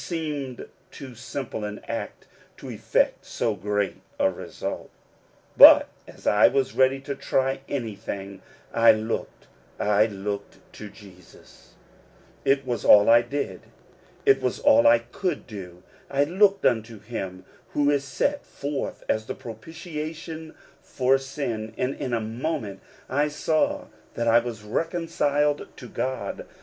It seemed too simple an act to effect so great a result ; but, as I was ready to try anything, I LOOKED —/ looked to Jesus, It was all I did. It was all I could do. I looked unto him who is set forth as a propitiation for sin ; and in a moment I saw that I was reconciled to God.